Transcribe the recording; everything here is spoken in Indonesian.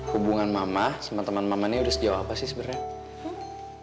hubungan mama sama temen mama ini udah sejauh apa sih sebenernya